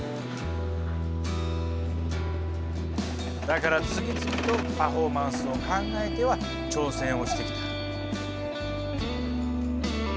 だから次々とパフォーマンスを考えては挑戦をしてきた。